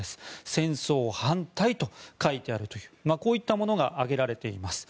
戦争反対と書いてあるというこういったものが挙げられています。